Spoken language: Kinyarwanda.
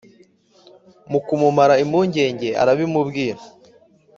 Mu kumumara impungenge arabimubwira,